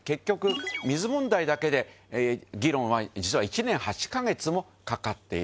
覿水問題だけで議論は実は１年８カ月もかかっている。